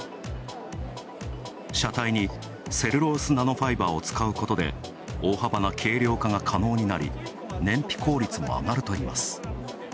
車体にセルロースナノファイバーを使うことで大幅な軽量化が可能になり、燃費効率が上がるといいます。